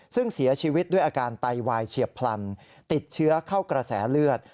ซึ่งเสียชีวิตด้วยอาการไตวายเฉียบพลันติดเชื้อเข้ากระแสเลือด